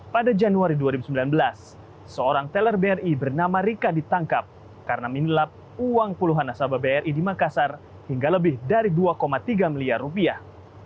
pada januari dua ribu sembilan belas seorang teller bri bernama rika ditangkap karena menyelap uang puluhan nasabah bri di makassar hingga lebih dari dua tiga miliar rupiah